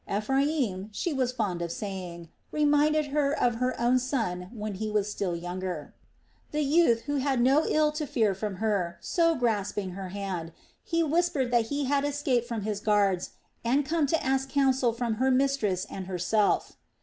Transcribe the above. Ephraim, she was fond of saying, reminded her of her own son when he was still younger. The youth had no ill to fear from her, so grasping her hand, he whispered that he had escaped from his guards and come to ask counsel from her mistress and herself.